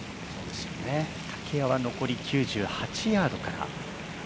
竹谷は残り９８ヤードから。